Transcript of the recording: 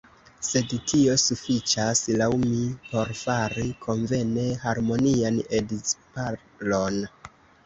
Sed tio sufiĉas, laŭ mi, por fari konvene harmonian edzparon.